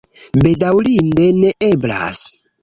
Bedaŭrinde, ne eblas.